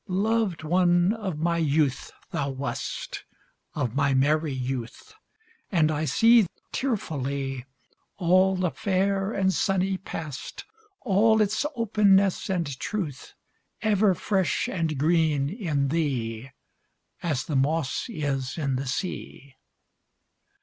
Loved one of my youth thou wast, Of my merry youth, And I see, Tearfully, All the fair and sunny past, All its openness and truth, Ever fresh and green in thee As the moss is in the sea.